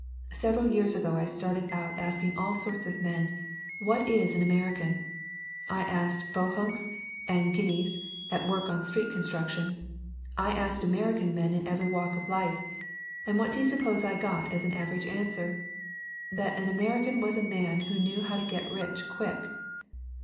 Several years ago I started out asking all sorts of men 'What is an American?' I asked 'Bohunks' and 'Guineas' at work on street construction, I asked American men in every walk in life and what do you suppose I got as an average answer? That an American was a man who knew how to get rich quick!